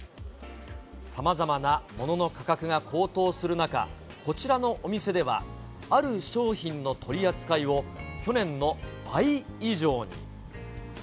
さまざまなものの価格が高騰する中、こちらのお店では、ある商品の取り扱いを去年の倍以上に。